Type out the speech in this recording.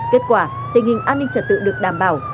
kết quả tình hình an ninh trật tự được đảm bảo